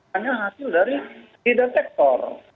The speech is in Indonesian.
hanya hasil dari tida sektor